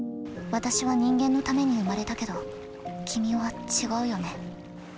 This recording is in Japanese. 私は人間のために生まれたけど君は違うよね。